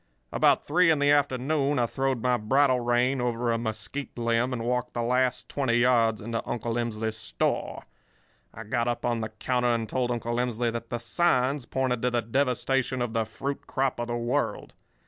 "About three in the afternoon I throwed my bridle rein over a mesquite limb and walked the last twenty yards into Uncle Emsley's store. I got up on the counter and told Uncle Emsley that the signs pointed to the devastation of the fruit crop of the world.